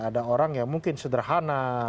ada orang yang mungkin sederhana